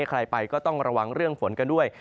ใครไปก็ต้องระวังเรื่องฝนกันด้วย